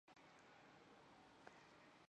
宣宗对此十分满意。